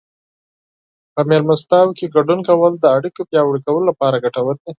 په مېلمستیاوو کې ګډون کول د اړیکو پیاوړي کولو لپاره ګټور دي.